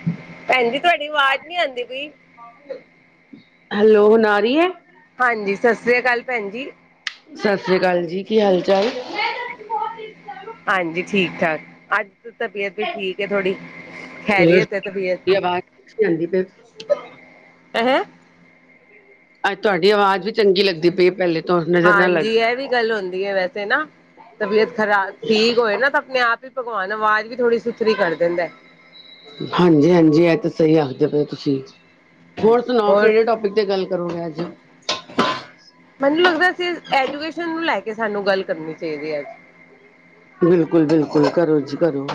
[inaudible] ਭੈਣਜੀ ਤੁਹਾਡੀ ਵਾਜ਼ ਨੀ ਆਂਦੀ ਪਈ। ਹੈਲੋ, ਹੁਣ ਆਰੀ ਐ? ਹਾਂਜੀ, ਸਤ ਸ੍ਰੀ ਕਾਲ ਭੈਣ ਜੀ। ਸਤ ਸ਼੍ਰੀ ਕਾਲ ਜੀ, ਕੀ ਹਾਲ-ਚਾਲ ਏ। ਹਾਂਜੀ, ਠੀਕ-ਠਾਕ। ਅੱਜ ਤਬੀਅਤ ਵੀ ਠੀਕ ਹੈ ਥੋੜੀ। ਚਲੋ ਖੈਰੀਅਤ ਏ ਤਬੀਅਤ ਦੀ। ਆਵਾਜ਼ ਆਂਦੀ ਪਈ ਏ ਹੈ। ਅੱਜ ਤੁਆਡੀ ਆਵਾਜ਼ ਵੀ ਚੰਗੀ ਲੱਗਦੀ ਪਈ ਪਹਿਲੇ ਤੋਂ ਨਜ਼ਰ ਨਾ ਲੱਗ ਹਾਂਜੀ ਇਹ ਵੀ ਗੱਲ ਹੁੰਦੀ ਏ ਵੈਸੇ ਨਾ, ਤਬੀਅਤ ਖਰਾਬ ਠੀਕ ਹੋਏ ਨਾ ਤਾਂ ਆਪਣੇ ਆਪ ਫੇਰ ਭਗਵਾਨ ਆਵਾਜ਼ ਵੀ ਥੋੜ੍ਹੀ ਸੁਥਰੀ ਕਰ ਦੇਂਦਾਏ। ਹਾਂਜੀ-ਹਾਂਜੀ ਏਹ ਤੇ ਸਹੀ ਆਖਦੇ ਪਏ ਤੁਸੀਂ ਹੋਰ ਸੁਣਾਓ ਕੇੜੇ ਟੋਪਿਕ ਤੇ ਗੱਲ ਕਰੋਗੇ ਅੱਜ? ਮੈਨੂੰ ਲੱਗਦਾ ਸੀ ਐਜੂਕੇਸ਼ਨ ਨੂੰ ਲੈ ਕੇ ਸਾਨੂੰ ਗੱਲ ਕਰਨੀ ਚਾਈਦੀ ਏ ਆਜ ਬਿਲਕੁਲ-ਬਿਲਕੁਲ, ਕਰੋ ਜੀ ਕਰੋ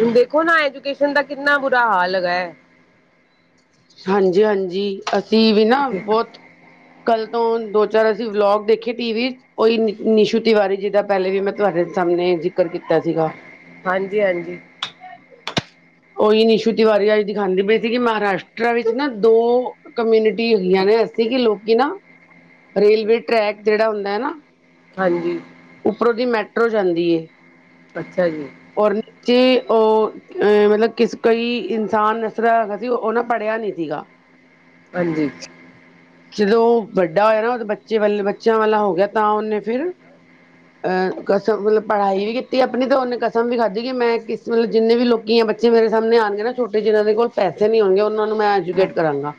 ਹੁਨ ਦੇਖੋ ਨਾ ਐਜੂਕੇਸ਼ਨ ਦਾ ਕਿੰਨਾ ਬੁਰਾ ਹਾਲ ਅਗਾ ਏ। ਹਾਂਜੀ, ਹਾਂਜੀ ਅਸੀਂ ਵੀ ਨਾ ਬੋਤ ਕੱਲ੍ਹ ਤੋਂ ਦੋ ਚਾਰ ਅਸੀਂ ਵਲੋਗ ਦੇਖੇ ਟੀ-ਵੀ 'ਚ ਉਈ ਨਿ ਨਿਸ਼ੂ ਤਿਵਾਰੀ ਜੀ ਦਾ ਪੈਲੇ ਵੀ ਮੈਂ ਤੁਹਾਡੇ ਸਾਮਣੇ ਜ਼ਿਕਰ ਕੀਤਾ ਸੀਗਾ ਹਾਂਜੀ, ਹਾਂਜੀ ਉਹੀ ਨਿਸ਼ੂ ਤਿਵਾਰੀ ਅੱਜ ਦਿਖਾਂਦੇ ਪਏ ਸੀਗੇ ਮਹਾਰਾਸ਼ਟਟਰ ਵਿੱਚ ਨਾ ਦੋ ਕਮਿਊਨਿਟੀ ਹੁੰਦੀਆਂ ਨੇ ਐਸੀੇ ਕਿ ਲੋਕੀ ਨਾ, ਰੇਲਵੇ ਟਰੈਕ ਜੇੜਾ ਹੁੰਦਾ ਏ ਨਾ ਹਾਂਜੀ ਉੱਪਰੋਂ ਦੀ ਮੈਟਰੋ ਜਾਂਦੀ ਏ ਅੱਛਾ ਜੀ ਔਰ ਨੀਚੇ ਉ ਅ ਮਤਲਬ ਕਿਸ ਕੋਈ ਇਨਸਾਨ ਐਸਰਾ ਹੈਗਾ ਸੀ ਓ ਉਹ ਨਾ ਪੜ੍ਹਿਆ ਨੀ ਸੀਗਾ ਹਾਂਜੀ ਜਦੋਂ ਉ ਵੱਡਾ ਹੋਇਆ ਨਾ ਉਦੇ ਬੱਚੇ ਵੱਲ ਬੱਚਿਆਂ ਵਾਲਾ ਹੋ ਗਿਆ ਤਾਂ ਉਨੇ ਫੇਰ ਅ ਕਸਮ ਮਤਲਬ ਪੜ੍ਹਾਈ ਵੀ ਕੀਤੀ ਆਪਣੀ ਤੇ ਉਨੇ ਕਸਮ ਵੀ ਖਾਧੀ ਕਿ ਮੈਂ ਕਿਸ ਮਤਲਬ ਜਿੰਨੇ ਵੀ ਲੋਕੀ ਆ ਬੱਚੇ ਮੇਰੇ ਸਾਮਣੇ ਆਣਗੇ ਨਾ ਛੋਟੇ ਜਿਨਾਂ ਦੇ ਕੋਲ ਪੈਸੇ ਨਹੀਂ ਹੋਣਗੇ ਉਹਨਾਂ ਨੂੰ ਮੈਂ ਐਜੂਕੇਟ ਕਰਾਂਗਾ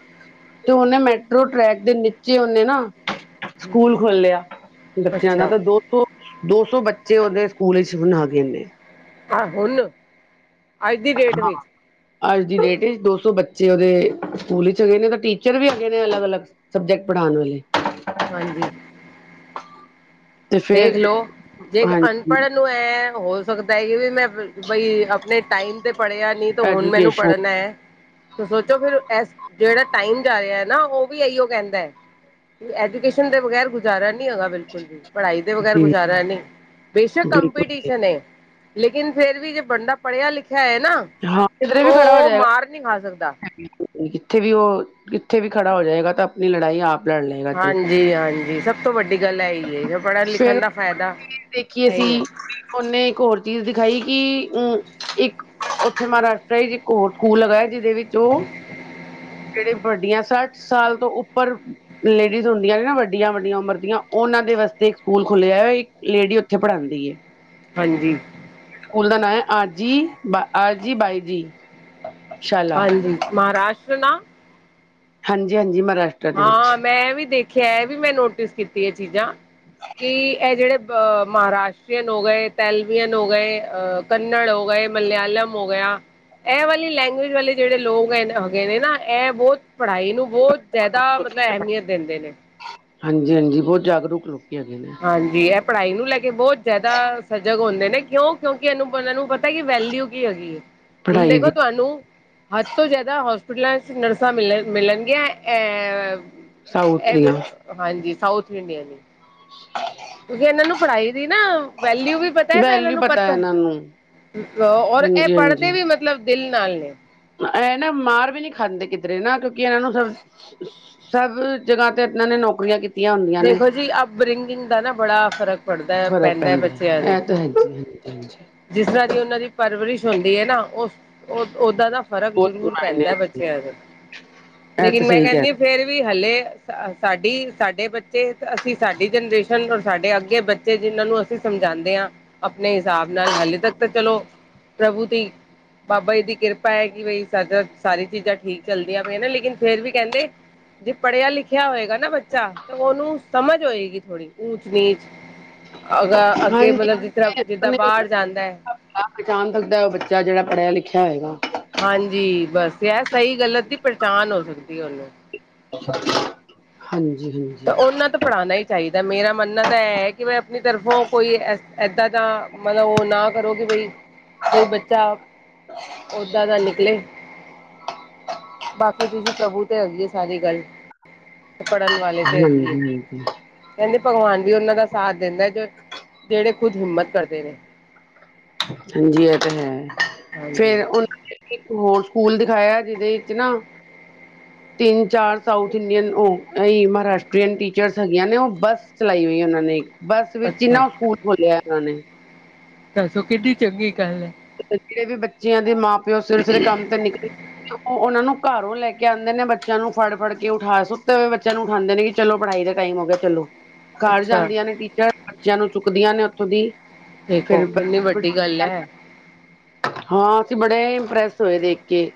ਤੇ ਉਨੇ ਮੈ ਟਰੋ ਟਰੈਕ ਦੇ ਨੀਚੇ ਉਨੇ ਨਾ, ਸਕੂਲ ਖੋਲਿਆ ਬੱਚਿਆਂ ਦਾ ਅੱਛਾ ਤਾਂ ਦੋ ਦੋ ਸੌ ਬੱਚੇ ਉਦੇ ਸਕੂਲ ਵਿੱਚ ਹੁਣ ਆਗੇ ਨੇ ਆ ਹੁਣ, ਅੱਜ ਦੀ ਡੇਟ ਵਿੱਚ ਅੱਜ ਦੀ ਡੇਟ ਵਿੱਚ ਦੋ ਸੌ ਬੱਚੇ ਉਹਦੇ ਸਕੂਲ ਵਿੱਚ ਹੈਗੇ ਨੇ ਤੇ ਟੀਚਰ ਵੀ ਹੈਗੇ ਨੇ। ਸਭ ਅਲੱਗ- ਅਲੱਗ, ਸਬਜੈਕਟ ਪੜ੍ਹਾਉਣ ਵਾਲੇ- ਹਾਂਜੀ ਤੇ ਫੇਰ ਵੇਖ ਲੋ, ਜੇ ਹਾਂਜੀ ਅਨਪੜ੍ਹ ਨੂੰ ਤੋ ਐ ਹੋ ਸਕਦਾ ਏ ਇਹ ਵੀ ਮੈਂ ਬਈ ਆਪਣੇ ਟਾਈਮ ਤੇ ਪੜ੍ਹਿਆ ਨੀ ਤੇ ਹੁਣ ਮੈਨੂੰ ਐਜੂਕੇਸ਼ਨ ਪੜ੍ਹਨਾ ਏ- ਤੇ ਸੋਚੋ ਫਿਰ ਏਸ ਜਿਹੜਾ ਟਾਈਮ ਜਾ ਰਿਹਾ ਨਾ ਉਹ ਵੀ ਇਹੀਓ ਕਹਿੰਦਾ ਐਜੂਕੇਸ਼ਨ ਦੇ ਬਗੈਰ ਗੁਜ਼ਾਰਾ ਨੀ ਹੈਗਾ ਬਿਲਕੁਲ ਵੀ- ਪੜ੍ਹਾਈ ਦੇ ਵਗੈਰ ਜੀ ਗੁਜ਼ਾਰਾ ਨਹੀਂ, ਬੇਸ਼ੱਕ ਬਿਲਕੁਲ ਕੰਪੀਟੀਸ਼ਨ ਏ- ਲੇਕਿਨ ਫੇਰ ਵੀ ਜੇ ਬੰਦਾ ਪੜ੍ਹਿਆ ਲਿਖਿਆ ਹੈ ਨਾ ਹਾਂ ਕਿਦਰੇ ਤਾਂ ਵੀ ਖੜਾ ਹੋ ਉਹ ਜਾਏਗਾ ਮਾਰ ਨਹੀਂ ਖਾ ਸਕਦਾ ਕਿੱਥੇ ਵੀ ਉਹ ਕਿੱਥੇ ਵੀ ਖੜਾ ਹੋ ਜਾਏਗਾ ਤਾਂ ਆਪਣੀ ਲੜਾਈ ਆਪ ਲੜ ਲਏਗਾ ਜੀ ਹਾਂਜੀ, ਹਾਂਜੀ ਸਭ ਤੋਂ ਵੱਡੀ ਗੱਲ ਏਈ ਐ ਜੋ ਪੜ੍ਹਨ ਫੇਰ ਲਿਖਨ ਦਾ ਫਾਇਦਾ ਏਈ ਐ। ਉਨੇ ਇੱਕ ਹੋਰ ਚੀਜ਼ ਦਿਖਾਈ ਕਿ ਉ ਇੱਕ ਉੱਥੇ ਮਹਾਰਾਸ਼ਟਰ ਇੰਚ ਸਕੂਲ ਹੈਗਾ ਜਿਦੇ ਵਿੱਚ ਉ ਜਿਹੜੇ ਵੱਡੀਆਂ ਸੱਠ ਸਾਲ ਤੋਂ ਉੱਪਰ ਲੇਡੀਜ਼ ਹੁੰਦੀਆਂ ਨੇ ਨਾ ਵੱਡੀਆਂ-ਵੱਡੀਆਂ ਉਮਰ ਦੀਆਂ ਉਨਾਂ ਦੇ ਵਾਸਤੇ ਇੱਕ ਸਕੂਲ ਖੋਲਿਆ ਇੱਕ ਲੇਡੀ ਉੱਥੇ ਪੜਾਂਦੀ ਐ। [inaudible] ਹਾਂਜੀ ਸਕੂਲ ਦਾ ਨਾਂ ਐ ਆਜੀ ਬਾ ਆਜੀ ਬਾਈਜੀ। ਹਾਂਜੀ, ਮਹਾਰਾਸ਼ਟਰ ਨਾ ਹਾਂਜੀ, ਹਾਂਜੀ ਮਹਾਰਾਸ਼ਟਰ ਦੇ ਵਿੱਚ ਹਾਂ ਮੈਂ ਵੀ ਦੇਖਿਆ ਇ ਵੀ ਮੈਂ ਨੋਟਿਸ ਕੀਤੀ ਏ ਚੀਜ਼ਾਂ, ਕਿ ਇਹ ਜੇੜੇ ਅ ਮਹਾਰਾਸ਼ਟਰੀਅਨ ਹੋ ਗਏ, ਤੇਲਵਅਨ ਹੋ ਗਏ, ਅ ਕੰਨੜ ਹੋ ਕੋਈ, ਮਲਿਆਲਮ ਹੋ ਗਿਆ ਇਹ ਵਾਲੀ ਲੈਂਗੁਏਜ ਵਾਲੇ ਜਿਹੜੇ ਲੋਕ ਹੈ ਨੇ ਹੈਗੇ ਨੇ ਨਾ ਇਹ ਬਹੁਤ ਪੜ੍ਹਾਈ ਨੂੰ ਬਹੁਤ ਜ਼ਿਆਦਾ ਮਤਲਬ ਅਹਿਮੀਅਤ ਦਿੰਦੇ ਨੇ ਹਾਂਜੀ, ਹਾਂਜੀ ਬਹੁਤ ਜਾਗਰੂਕ ਲੋਕੀਂ ਹੈਗੇ ਨੇ ਹਾਂਜੀ ਇਹ ਪੜ੍ਹਾਈ ਨੂੰ ਲੈ ਕੇ ਬਹੁਤ ਜ਼ਿਆਦਾ ਸਜਗਕ ਹੁੰਦੇ ਨੇ ਕਿਉਂ ਕਿਉਂਕਿ ਇਹਨੂੰ ਪੜ੍ਹਣ ਪਤਾ ਸਹੀ ਵੈਲਿਊ ਕੀ ਹੈਗੀ ਏ ਹੁਣ ਪੜ੍ਹਾਈ ਦੇਖੋ ਦੀ ਤੁਹਾਨੂੰ ਹੱਦ ਤੋਂ ਜਿਆਦਾ ਹੋਸਪਿਟਲਾਂ ਚ ਨਰਸਾਂ ਮਿਲਣ ਮਿਲਣਗੀਆਂ ਅ ਅ ਸਾਊਥ ਇਹ ਦੀਆਂ ਫਿਰ ਹਾਂਜੀ ਸਾਊਥ ਇੰਡੀਅਨ ਟਾ ਕਿਉਂਕਿ ਇਹਨਾਂ ਨੂੰ ਪੜ੍ਹਾਈ ਦੀ ਨਾ ਵੈਲਿਊ ਵੀ ਪਤਾ ਹੈ ਤੇ ਇਹਨਾਂ ਵੈਲਿਊ ਨੂੰ ਹੈ ਪਤਾ ਇਹਨਾਂ ਨੂੰ ਹ ਔਰ ਇਹ ਹਾਂਜੀ ਪੜ੍ਹਦੇ ਹਾਂਜੀ ਵੀ ਮਤਲਬ ਦਿਲ ਨਾਲ ਨੇ ਇਹ ਨਾ ਮਾਰ ਵੀ ਨਹੀਂ ਖਾਂਦੇ ਕਿੱਧਰੇ ਨਾ ਕਿਉਂਕਿ ਇਹਨਾਂ ਨੂੰ ਨਾ ਸਭ ਜਗ੍ਹਾ ਤੇ ਏਦਾ ਨੇ ਨੌਕਰੀਆਂ ਕੀਤੀਆ ਆਂ ਹੁੰਦੀਆਂ ਨੇ ਦੇਖੋ ਜੀ ਅਪਬਰਿੰਗਿੰਗ ਦਾ ਨਾ ਬੜਾ ਫ਼ਰਕ ਪੜਦਾ ਫ਼ਰਕ ਪੈਂਦਾ ਬੱਚਿਆਂ ਦੇ ਏ ਇਹ ਤੇ ਹੈਗਾ [unintelligible] ਜਿਸ ਤਰ੍ਹਾਂ ਦੀ ਉਹਨਾਂ ਦੀ ਪਰਵਰਿਸ਼ ਹੁੰਦੀ ਏ ਨਾ ਉਹ ਉਹ ਉਦਾ ਦਾ ਫ਼ਰਕ ਬਹੁਤ ਜ਼ਰੂਰ ਮਾਇਨੇ ਪੈਂਦਾ ਬੱਚਿਆਂ ਤੇ ਇਹ ਲੇਕਿਨ ਤਾਂ ਮੈਂ ਸਹੀ ਕਹਿ ਕਹਿੰਦੀ ਰਹੇ, ਫੇਰ ਵੀ ਹਲੇ ਸ ਸਾਡੀ ਸਾਡੇ ਬੱਚੇ ਇਹ ਅਸੀ ਸਾਡੀ ਜਨਰੇਸ਼ਨ ਨੂ ਸਾਡੇ ਅੱਗੇ ਬੱਚੇ ਜਿਨਾਂ ਨੂੰ ਅਸੀਂ ਸਮਝਾਂਦੇ ਆ ਆਪਣੇ ਹਿਸਾਬ ਨਾਲ ਹਲੇ ਤੱਕ ਤਾਂ ਚਲੋ ਪ੍ਰਭੂ ਦੀ ਬਾਬਾ ਜੀ ਦੀ ਕਿਰਪਾ ਹੈ ਕਿ ਬਈ ਸਾਰੀ ਚੀਜ਼ਾਂ ਠੀਕ ਚੱਲਦੀਆਂ ਪਈਆ ਨੇ ਲੇਕਿਨ ਫੇਰ ਵੀ ਕਹਿੰਦੇ ਜੇ ਪੜ੍ਹਿਆ ਲਿਖਿਆ ਹੋਏਗਾ ਨਾ ਬੱਚਾ ਤੇ ਉਹਨੂੰ ਸਮਝ ਹੋਏਗੀ ਥੋੜ੍ਹੀ ਊਚ ਨੀਚ ਅਗ ਅੱਗੇ ਹਾਂਜੀ ਮਤਲਬ ਜਿਸ ਤਰ੍ਹਾਂ ਜਿੱਦਾਂ ਬਾਹਰ ਜਾਂਦਾ ਏ ਅ ਪਹਿਚਾਣ ਸਕਦਾ ਉਹ ਬੱਚਾ ਜਿਹੜਾ ਪੜ੍ਹਿਆ ਲਿਖਿਆ ਹੋਏਗਾ ਹਾਂਜੀ ਬਸ ਏਹ ਸਹੀ ਗਲਤ ਦੀ ਪਹਿਛਾਣ ਹੋ ਸਕਦੀ ਏ ਉਹਨੂੰ ਹਾਂਜੀ, ਹਾਂਜੀ ਤਾਂ ਉਹਨਾਂ ਤੋਂ ਪੜ੍ਹਾਣਾ ਹੀ ਚਾਹੀਦਾ ਮੇਰਾ ਮੰਨਣਾ ਤਾਂ ਇਹ ਹੈ ਕਿ ਮੈਂ ਆਪਣੀ ਤਰਫੋਂ ਕੋਈ ਏ ਏਦਾਂ ਦਾ ਮਤਲਬ ਉਹ ਨਾ ਕਰੋ ਕੀ ਬਈ ਬਈ ਬੱਚਾ ਉਦਾ ਦਾ ਨਿਕਲੇ ਬਾਕੀ ਦੀ ਤੁਸੀ ਪ੍ਰਭੂ ਤੇ ਹੈਗੀ ਸਾਰੀ ਗੱਲ ਪੜ੍ਹਨ ਵਾਲੇ ਹੈਗੀ ਹਾਂਜੀ ਕਹਿੰਦੇ ਭਗਵਾਨ ਵੀ ਉਹਨਾਂ ਦਾ ਸਾਥ ਦਿੰਦਾ ਜਿਹੜੇ ਖੁਦ ਹਿੰਮਤ ਕਰਦੇ ਨੇ ਹਾਂਜੀ ਇਹ ਤੇ ਹੈ ਹਾਂਜੀ ਫੇਰ ਉਹਨਾਂ ਇੱਕ ਹੋਰ ਸਕੂਲ ਦਿਖਾਇਆ ਜਿਹਦੇ ਵਿੱਚ ਨਾ ਤਿੰਨ ਚਾਰ ਸਾਊਥ ਇੰਡੀਅਨ ਉਹ ਇਹੀ ਮਹਾਰਾਸ਼ਟਰੀਅਨ ਟੀਚਰਸ ਹੈਗੀਆਂ ਨੇ ਉਹ ਬੱਸ ਚਲਾਈ ਹੋਈ ਉਹਨਾਂ ਨੇ ਬੱਸ ਵਿੱਚ ਅੱਛਾ ਨਾ ਸਕੂਲ ਖੋਲਿਆ ਇਹਨਾਂ ਨੇ ਦੱਸੋ ਕਿੰਨੀ ਚੰਗੀ ਗੱਲ ਹੈ ਜਿਹੜੇ ਵੀ ਬੱਚਿਆਂ ਦੇ ਮਾਂ ਪਿਓ ਸਵੇਰੇ ਸਵੇਰੇ ਕੰਮ ਤੇ ਨਿਕਲੇ ਤੇ ਉਹਨਾਂ ਨੂੰ ਘਰੋਂ ਲੈ ਕੇ ਆਂਦੇ ਨੇ ਬੱਚਿਆਂ ਨੂੰ ਫੜ ਫੜ ਕੇ ਉਠਾ ਸੁੱਤੇ ਹੋਏ ਬੱਚਿਆਂ ਨੂੰ ਉਠਾਂਦੇ ਨੇ ਕਿ ਚਲੋ ਪੜ੍ਹਾਈ ਦਾ ਟਾਈਮ ਹੋ ਗਿਆ ਚਲੋ ਘਰ ਅੱਛਾ ਜਾਂਦੀਆਂ ਨੇ ਟੀਚਰ ਬੱਚਿਆਂ ਨੂੰ ਚੁੱਕਦੀਆਂ ਨੇ ਉੱਥੋਂ ਦੀ ਦੇਖੋ ਫਿਰ ਬੱਸ ਕਿੰਨੀ ਵੱਡੀ ਗੱਲ ਏ ਬਿਠਾਉਂਦੀਆਂ ਨੇ ਹਾਂ ਅਸੀਂ ਬੜੇ ਇੰਪ੍ਰੈਸ ਹੋਏ ਦੇਖ ਕੇ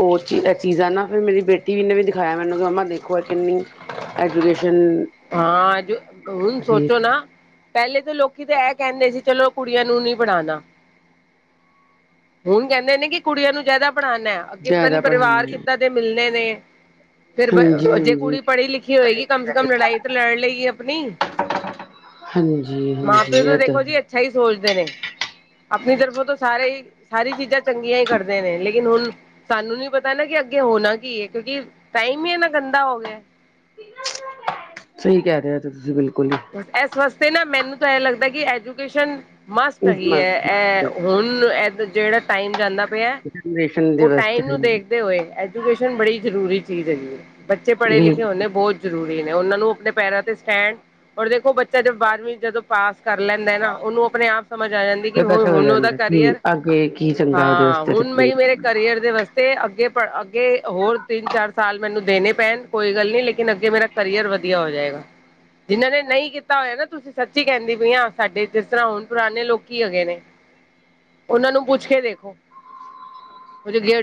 ਉਹ ਚੀ ਚੀਜ਼ਾਂ ਨਾ ਫਿਰ ਮੇਰੀ ਬੇਟੀ ਵੀ ਨੇ ਵੀ ਦਿਖਾਇਆ ਮੈਨੂੰ ਕਿ ਮੰਮਾ ਦੇਖੋ ਇਹ ਕਿੰਨੀ ਐਜੂਕੇਸ਼ਨ ਹਾਂ ਅੱਜ ਹੁਣ ਹੈਗੀ ਸੋਚੋ ਨਾ ਪਹਿਲੇ ਤਾਂ ਲੋਕੀ ਤੇ ਇਹ ਕਹਿੰਦੇ ਸੀ ਚਲੋ ਕੁੜੀਆਂ ਨੂੰ ਨੀ ਪੜ੍ਹਾਣਾ ਹੁਣ ਕਹਿੰਦੇ ਨੇ ਕਿ ਕੁੜੀਆਂ ਨੂੰ ਜ਼ਿਆਦਾ ਪੜ੍ਹਾਣਾ ਆ ਅੱਗੇ ਪਤਾ ਨੀ ਜ਼ਿਆਦਾ ਪੜ੍ਹਾਣਾ ਪਰਿਵਾਰ ਹੈ ਕਿੱਦਾਂ ਦੇ ਮਿਲਣੇ ਨੇ ਫੇਰ ਹਾਂਜੀ ਜੇ ਹਾਂਜੀ ਕੁੜੀ ਪੜ੍ਹੀ ਲਿਖੀ ਹੋਏਗੀ ਕਮ ਸੇ ਕਮ ਲੜਾਈ ਲੜ ਲਈ ਗੀ ਆਪਣੀ ਹਾਂਜੀ ਮਾਂ ਪਿਓ ਹਾਂਜੀ ਤੋਂ ਇਹ ਤਾਂ ਦੇਖੋ ਜੀ ਹੈ ਇ ਸਹੀ ਸੋਚਦੇ ਨੇ ਆਪਣੀ ਤਰਫ਼ੋਂ ਤਾਂ ਸਾਰੇ ਹੀ ਹਰ ਇਕ ਚੀਜ਼ਾਂ ਚੰਗੀਆਂ ਹੀ ਕਰਦੇ ਨੇ ਲੇਕਿਨ ਹੁਣ ਸਾਨੂੰ ਨੀ ਪਤਾ ਪਿਹਲਾ ਕਿ ਅੱਗੇ ਹੋਣਾ ਕੀ ਹੈ ਕਿਉਂਕਿ ਟਾਈਮ ਹੀ ਹੈ ਨਾ ਗੰਦਾ ਹੋ ਗਿਆ ਸਹੀ ਕਹਿ ਰਿਹਾ ਤੁਸੀਂ ਬਿਲਕੁਲ ਹੀ ਇਸ ਵਾਸਤੇ ਨਾ ਮੈਨੂੰ ਤਾਂ ਇਹ ਲੱਗਦਾ ਕਿ ਐਜੂਕੇਸ਼ਨ। ਮਸਟ ਇਸ ਹੈਗੀ ਹੈ ਇਹ ਹੁਣ ਜਿਹੜਾ ਟਾਈਮ ਜਾਂਦਾ ਪਿਆ। ਪੈਨਸ਼ਨ ਉਹ ਦਿਵਸ ਟਾਈਮ ਤੇ। ਨੂੰ ਦੇਖਦੇ ਹੋਏ ਐਜੂਕੇਸ਼ਨ ਬੜੀ ਜ਼ਰੂਰੀ ਚੀਜ਼ ਹੈਗੀ ਹੈ ਬੱਚੇ ਪੜ੍ਹੇ ਲਿਖੇ ਹੁੰਦੇ ਬਹੁਤ। ਜ਼ਰੂਰੀ ਨੇ ਉਹਨਾਂ ਨੂੰ ਆਪਣੇ ਪੈਰਾਂ ਤੇ ਸਟੈਂਡ। ਔਰ ਦੇਖੋ ਬੱਚਾ ਜ ਬਾਰਵੀਂ ਜਦੋਂ ਪਾਸ ਕਰ ਲੈਂਦਾ ਨਾ ਉਹਨੂੰ ਆਪਣੇ ਆਪ ਸਮਝ ਆ ਜਾਂਦੀ ਕਿ ਹ ਹੁਣ ਉਹਦਾ। ਜ ਕਰੀਅਰ ਅੱਗੇ। ਕੀ ਚੰਗਾ ਉਹਦੇ ਹਾਂ ਵਾਸਤੇ ਤੇ ਹੁਣ ਕੀ ਮਈ ਮੇਰੇ ਕਰੀਅਰ ਦੇ ਵਾਸਤੇ। ਤੇ ਅੱਗੇ ਪ ਅੱਗੇ ਹੋਰ ਤਿੰਨ ਚਾਰ ਸਾਲ ਮੈਨੂੰ ਦੇਣੇ ਪੈਣ ਕੋਈ ਗੱਲ ਨੀ ਲੇਕਿਨ। ਲਗੇ ਅੱਗੇ ਮੇਰਾ ਕਰੀਅਰ ਵਧੀਆ ਹੋ ਜਾਏਗਾ। ਜਿਹਨਾਂ ਨੇ ਨਹੀਂ ਕੀਤਾ ਹੋਇਆ ਨਾ ਤੁਸੀਂ ਸੱਚੀ ਕਹਿੰਦੇ ਵੀਈ ਹਾਂ ਸਾਡੇ ਜਿਸ ਤਰ੍ਹਾਂ ਹੁਣ ਪੁਰਾਣੇ ਲੋਕੀ ਹੈਗੇ ਨੇ। [inaudible] ਉਹਨਾਂ ਨੂੰ ਪੁੱਛ ਕੇ ਦੇਖੋ।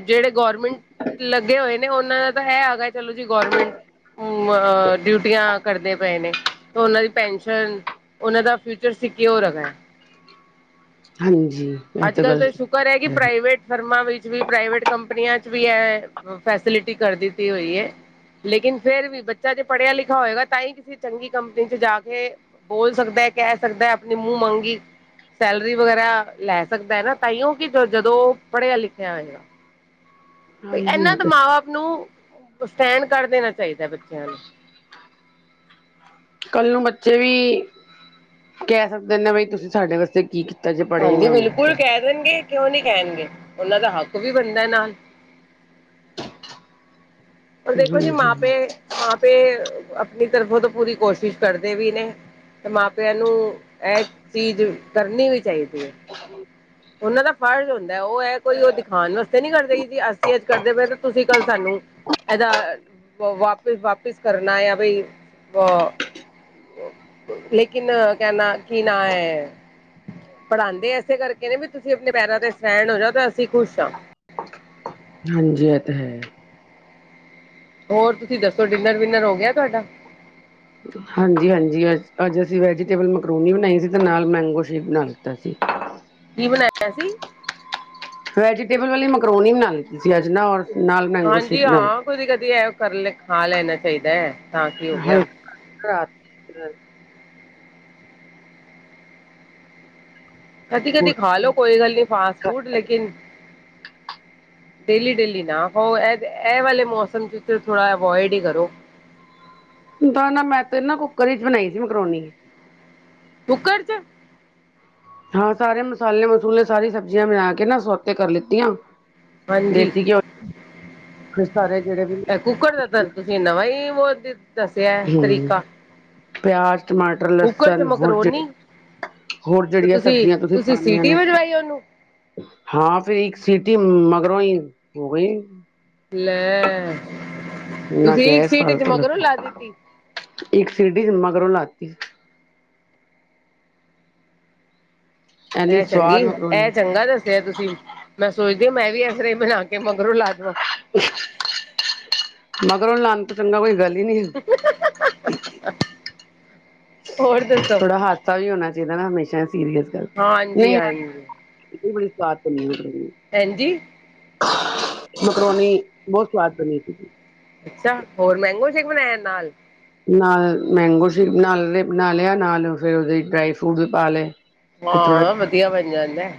ਜਿਹੜੇ ਗੌਰਮੈਂਟ ਲੱਗੇ ਹੋਏ ਨੇ। ਉਹਨਾਂ ਦਾ ਤਾਂ ਹੈ ਹੈਗਾ ਚਲੋ ਜੀ ਗੌਰਮੈਂਟ ਅ ਡਿਊਟੀਆਂ ਕਰਦੇ ਪਏ ਨੇ। ਉਹਨਾਂ ਦੀ ਪੈਨਸ਼ਨ ਉਹਨਾਂ ਦਾ ਫਿਊਚਰ ਸੱਕੁਰ ਹੈਗਾ ਹੈ। ਹਾਂਜੀ। ਇਹ ਅੱਜ ਕੱਲ੍ਹ ਗੱਲ ਤਾਂ ਸ਼ੁਕਰ ਹੈ ਕਿ ਪ੍ਰਾਈਵੇਟ। ਫਰਮਾ ਵਿੱਚ ਵੀ ਪ੍ਰਾਈਵੇਟ ਕੰਪਨੀਆਂ ਚ ਵੀ ਇਹ ਫੈਸਿਲਿਟੀ ਕਰ ਦਿੱਤੀ ਹੋਈ ਹੈ। ਲੇਕਿਨ ਫੇਰ ਵੀ ਬੱਚਾ ਜੇ ਪੜ੍ਹਿਆ ਲਿਖਿਆ ਹੋਏਗਾ ਤਾਂ ਹੀ ਕਿਸੇ ਚੰਗੀ ਕੰਪਨੀ ਚ ਜਾ ਕੇ। ਬੋਲ ਸਕਦਾ ਕਹਿ ਸਕਦਾ ਆਪਣੀ ਮੂੰਹ ਮੰਗੀ ਸੈਲਰੀ ਵਗੈਰਾ ਲੈ। ਸਕਦਾ ਹੈ ਨਾ ਤਾਂ ਉਹ ਕਿ ਜਦੋਂ ਉਹ ਪੜ੍ਹਿਆ ਲਿਖਿਆ ਹੋਏਗਾ। ਹਾਂਜੀ ਇਹ ਬੱਚਿਆਂ ਦੇ ਤਾਂ ਮਾਂ ਬਾਪ ਨੂੰ ਸਟੈਂਡ ਕਰ ਦੇਣਾ ਚਾਹੀਦਾ ਬੱਚਿਆਂ ਨੂੰ। ਕੱਲ ਨੂੰ ਬੱਚੇ ਵੀ ਕਹਿ ਸਕਦੇ ਨੇ ਬਈ ਤੁਸੀਂ ਸਾਡੇ ਵਾਸਤੇ ਕੀ ਕੀਤਾ। ਅਜੇ ਪੜੇ ਹੀ ਨੀ ਹੁੰਦੇਆਂ। ਕਰਨਗੇ ਕਿਉਂ ਨਹੀਂੀ ਕਹਿਣਗੇ ਉਹਨਾਂ ਦਾ ਹੱਕ ਵੀ ਬਣਦਾ ਨਾਲ। ਪਰ ਦੇਖੋ ਜੀ ਹਾਂਜੀ ਮਾਂਪੇ-ਮਾਂਪੇ ਅਪਨੀ ਤਰਫ਼ੋ ਤੋ ਪੂਰੀ ਕੋਸ਼ਿਸ਼ ਕਰਦੇ ਵੀ ਨੇ। ਤੇ ਮਾਂ-ਪੇਯਾ ਨੂੰ, ਐ ਚੀਜ਼ ਕਰਨੀ ਵੀ ਚਾਈਦੀ ਏ। ਓਨਾਂ ਦਾ ਫ਼ਰਜ਼ ਓਂਦੈ, ਓ ਐ ਕੋਈ ਓ ਦਿਖਾਨ ਵਸਤੇ ਨੀ ਕਰਦੇ ਕਿ ਅਸੀ ਆੱਜ ਕਰਦੇ ਪਏ ਆ ਤੇ ਤੁਸੀ ਕਾੱਲ ਸਾਨੂੰ ਏਦਾ ਵਾਪਿਸ ਵਾਪਿਸ ਕਰਨਾ ਐ ਬਈ। ਲੇਕਿਨ ਕਹਿਣਾ ਕੀ ਨਾ ਅ ਪੜਾਂਦੇ ਇਸੇ ਕਰਕੇ ਨੇ ਵੀ ਤੁਸੀਂ ਆਪਣੇ ਪੈਰਾਂ ਤੇ ਸਟੈਂਡ ਹੋ ਜਾਓ, ਤੇ ਅਸੀਂ ਖੁਸ਼ ਹਾਂ। ਹਾਂਜੀ ਇਹ ਤਾਂ ਹੈ। ਹੋਰ ਤੁਸੀਂ ਦੱਸੋ ਡਿਨਰ ਵਿਨਰ ਹੋ ਗਿਆ ਤੁਹਾਡਾ? [unintelligible] ਹਾਂਜੀ ਹਾਂਜੀ, ਅੱਜ ਅਸੀਂ ਵੈਜੀਟੇਬਲ ਮਕਰੂਨੀ ਬਣਾਈ ਸੀ ਅਤੇ ਨਾਲ ਮੈਂਗੋ ਸ਼ੇਪ ਬਣਾ ਲੀਤਾ ਸੀ। ਕੀ ਬਣਾਇਆ ਸੀ। ਵੈਜੀਟੇਬਲ ਵਾਲੀ ਮਕਰੋਨੀ ਬਣਾ ਲੀਤੇ ਸੀ ਅਜ ਨਾ ਔਰ। ਨਾਲ ਮੈਂਗੋ ਸ਼ੇਕ ਹਾਂਜੀ ਨਾਲ ਹਾਂ ਕਦੀ ਕਦੀ ਇਹ ਕਰਕੇ ਖਾ ਲੈਣਾ ਚਾਹੀਦਾ ਹੈ। ਤਾਂ ਕੀ ਹੋ ਗਿਆ ਹਲਕਾ ਕਰ। ਕਦੀ ਕਦੀ ਖਾ ਲੋ ਕੋਈ ਗੱਲ ਨੀ ਫਾਸਟ ਫੂਡ ਲੇਕਿਨ। ਡੇਲੀ ਡੇਲੀ ਨਾ ਖਾਓ ਇਹ ਵਾਲੇ ਮੌਸਮ ਚ ਥੋੜਾ ਅਵੋਇਡ ਹੀ ਕਰੋ। ਤਾਂ ਨਾ ਮੈਂ ਤੇ ਨਾ ਕੁੱਕਰ ਚ ਬਣਾਈ ਸੀ ਮਕਰੋਨੀ। ਕੁੱਕਰ ਚ। ਹਾਂ ਸਾਰੇ ਮਸਾਲੇ- ਮਸੂਲੇ ਸਾਰੀ ਸਬਜ਼ੀਆਂ ਬਨਾ ਕੇ ਨਾ ਸੋਤੇ ਕਰ ਲੇਤੀ ਆਂ। ਹਾਂਜੀ ਦੇਸੀ ਘਿਓ ਫਿਰ ਸਾਰੇ ਜਿਹੜੇ ਵੀ ਤੁਸੀ ਨਵਾਂ ਈ [unintelligible] ਹੂੰ! ਪਿਆਜ਼, ਟਮਾਟ ਕੁੱਕਰ ਚ ਲਸਣ ਹੋਰ ਮਕਰੋਨੀ ਹੋਰ ਤੇ ਜਿਹੜੀਆਂ ਸਬਜ਼ੀਆਂ ਤੁਸੀਂ ਪਾਣੀਆਂ ਸੀਟੀ ਨੇ ਵਜਵਾਈ ਉਹਨੂੰ ਹਾਂ ਫਿਰ ਇੱਕ ਸਿਟੀ ਮਗਰੋਂ ਹੀ ਹੋ ਗਈ। ਲੈ, ਨਾ ਤੁਸੀਂ ਇੱਕ ਗੈਸ ਸੀਟੀ ਚ ਫਾਲਤੂ ਮਗਰੋਂ ਲੱਗੀ ਲਾ ਦਿੱਤੀ ਇੱਕ ਸਿਟੀ ਮਗਰੋਂ ਲਾ ਦਿਤੀ ਐਨੀ ਇਹ ਚੰਗੀ, ਸਵਾਦ ਇਹ ਮਕਰੋਨੀ ਚੰਗਾ ਦੱਸ ਫੇਰ ਤੁਸੀਂ ਮੈਂ ਸੋਚਦੇ ਮੈਂ ਵੀ ਇਸਤਰ ਬਣਾ ਕੇ, ਮਗਰੋਂ ਲਾ ਦਵਾਂ ਮਗਰੋਂ ਲਾਨ ਤੋ ਚੰਗਾ ਕੋਈ ਗੱਲ ਹੀ ਨਹੀਂ ਹੈ। [inaudible] ਹੋਰ ਦੱਸੋ ਥੋੜਾ ਹਾਸਾ ਵੀ ਹੋਣਾ ਚਾਹੀਦਾ ਨਾ, ਹਮੇਸ਼ਾ ਸੀਰੀਅਸ ਗੱਲ, ਹਾਂਜੀ ਨਈ ਹਾਂਜੀ ਇਹ ਬੜੀ ਸਾਥ ਹਾਂਜੀ ਮਕਰੋਣੀ ਬਹੁਤ ਸਵਾਦ ਬਣੀ ਸੀ ਅੱਛਾ! ਹੋਰ ਮੈਂਗੋ ਸ਼ੇਕ ਬਣਾਇਆ ਨਾਲ? ਨਾਲ ਮੈਂਗੋ ਸ਼ੇਕ ਬਣਾ ਲਿਆ, ਨਾਲ ਫੇਿਰ ਉਹਦੇ ਡਰਾਈ ਫਰੂਟ ਵੀ ਪਾ ਲਏ। ਹਾਂ, ਵਧੀਆ ਬਣ ਜਾਂਦਾ।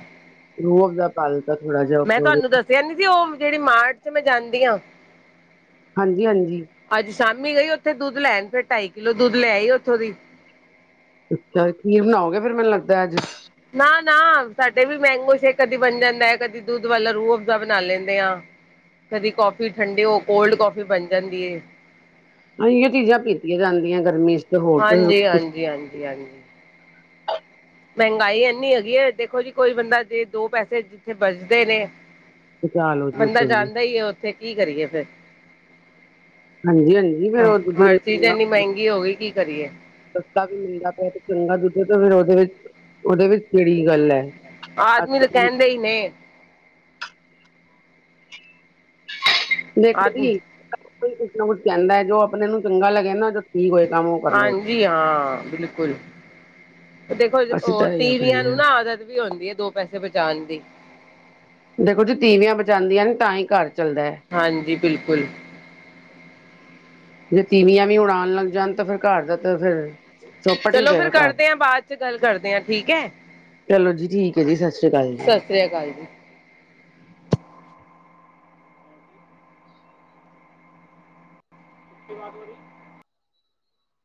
ਰੋਕ ਦਾ [inaudible] ਚਲ ਥੋੜਾ ਜਯਾ ਮੈਂ ਤੁਹਾਨੂੰ ਦੱਸਿਆ ਨੀ ਸੀ, ਉਹ ਜਿਹੜੀ ਮਾਰਚ ਚ ਮੈਂ ਜਾਂਦੀ ਹਾਂ ਹਾਂਜੀ-ਹਾਂਜੀ ਅੱਜ ਸ਼ਾਮੀ ਗਈ ਉੱਥੇ ਦੁੱਧ ਲੈਣ, ਫਿਰ ਢਾਈ ਕਿੱਲੋ ਦੁੱਧ ਲਯਾਈ ਉੱਥੋਂ ਦੀ। ਅੱਛਾ ਖੀਰ ਬਣਾਓਗੇ ਫਿਰ ਮੈਨੂੰ ਲੱਗਦਾ ਅੱਜ ਨਾ-ਨਾ ਸਾਡੇ ਵੀ ਮੈਂਗੋ ਸ਼ੇਕ ਕਦੀ ਬਣ ਜਾਂਦਾ ਹੈ, ਕਦੀ ਦੁੱਧ ਵਾਲਾ ਰੂਹ ਅਫਜ਼ਾ ਬਣਾ ਲੈਂਦੇ ਆ। ਕਦੀ ਕੋਫੀ ਠੰਡੇ ਹੋ, ਕੋਲਡ ਕੌਫੀ ਬਣ ਜਾਂਦੀ ਏ। ਏਹੋ ਚੀਜ਼ਾਂ ਪੀਤੀਆਂ ਜਾਂਦੀਆਂ ਗਰਮੀ ਚ ਹੋਰ ਤ ਹਾਂਜੀ ਹਾਂਜੀ- ਹਾਂਜੀ ਮਹਿੰਗਾਈ ਇੰਨੀ ਹੈਗੀ ਹੈ, ਦੇਖੋ ਜੀ ਕੋਈ ਬੰਦਾ ਜਿਥੇ ਦੋ ਪੈਸੇ ਜਿੱਥੇ ਬੱਚਦੇ ਨੇ। ਬਚਾਅ ਲਓ ਜੀ ਬੰਦਾ ਜਾਦਾ ਹੀ ਹੈ, ਉੱਥੇ ਕੀ ਕਰੀਏ ਫੇਿਰ। ਹਾਂਜੀ ਹਾਂਜੀ ਫਿਰ ਉਹ ਹਰ ਚੀਜ ਦੁੱਧ ਇੰਨੀ ਮਹਿੰਗੀ ਹੋ ਗਈ ਕੀ ਕਰੀਏ। ਸਸਤਾ ਵੀ ਮਿਲਦਾ ਪਿਆ ਤੇ ਚੰਗਾ ਦੁੱਧ, ਤੇ ਫਿਰ ਉਹਦੇ ਵਿੱਚ ਕਿਹੜੀ ਗੱਲ ਅ। ਆਦਮੀ ਤਾਂ ਕਹਿੰਦੇ ਹੀ ਨੇ। ਦੇਖੋ ਆਦਮੀ ਜੀ ਜੋ ਆਪਣੇ ਨੂੰ ਚੰਗਾ ਲੱਗਦਾ ਏ ਨ ਠੀਕ ਹੋਏਗਾ ਕੰਮ। ਕਰ ਲਓ ਹਾਂਜੀ, ਹਾਂ ਬਿਲਕੁਲ। ਦੇਖੋ ਅਸੀਂ ਹੋਰ ਤਾਂ ਇਹੀਓ ਤੀਵੀਆਂ ਕਹਿੰਦੇ ਨੂੰ ਹਾਂ ਨਾ ਆਦਤ ਵੀ ਹੁੰਦੀ ਹੈ ਦੋ ਪੈਸੇ ਬਚਾਉਣ ਦੀ। ਦੇਖੋ ਜੀ ਤੀਵੀਆਂ ਬਚਾਉਂਦੀਆਂ ਨੇ ਤਾਂ ਹੀ ਘਰ ਚੱਲਦਾ ਹੈ। ਹਾਂਜੀ, ਬਿਲਕੁਲ। ਜੇ ਤੀਵੀਆਂ ਵੀ ਹੁਣ ਆਉਣ ਲੱਗ ਜਾਣ ਤੇ ਫਿਰ ਘਰ ਦਾ ਤਾਂ ਫਿਰ। ਚੌਪਟ ਹੀ ਹੋ ਚਲੋ ਫੇਰ ਜਾਏਗਾ ਘਰ ਕਰਦੇ ਹਾਂ ਬਾਅਦ ਚ ਗੱਲ ਕਰਦੇ ਹਾਂ ਠੀਕ ਹੈ। ਚਲੋ ਜੀ ਠੀਕ ਹੈ, ਜੀ ਸਤਿ ਸ੍ਰੀ ਅਕਾਲ ਜੀ। ਸਤਿ ਸ਼੍ਰੀ ਅਕਾਲ ਜੀ। ਕੀ ਬਾਤ ਹੋ ਰਹਿ